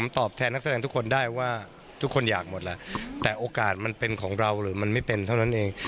ทุกคนอยากหมดแล้วแต่โอกาสมันเป็นของเราหรือมันไม่เป็นเท่านั้นเอง